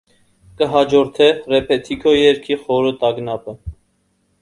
Կը յաջորդէ ռեպեթիքօ երգի խոր տագնապը։